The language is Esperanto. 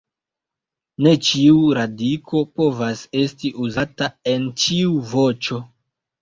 Ne ĉiu radiko povas esti uzata en ĉiu voĉo.